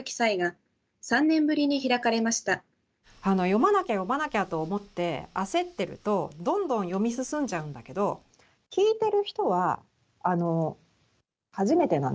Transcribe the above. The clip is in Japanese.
読まなきゃ読まなきゃと思って焦ってると、どんどん読み進んじゃうんだけど聞いてる人は初めてなんです。